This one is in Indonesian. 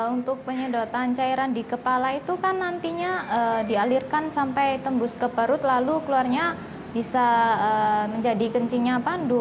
untuk penyedotan cairan di kepala itu kan nantinya dialirkan sampai tembus ke perut lalu keluarnya bisa menjadi kencingnya pandu